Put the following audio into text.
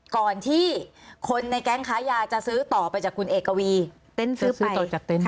ก่อนที่คนในแก๊งค้ายาจะซื้อต่อไปจากคุณเอกวีเต้นซื้อปืนต่อจากเต็นต์